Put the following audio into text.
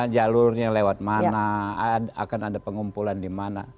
jalurnya lewat mana akan ada pengumpulan di mana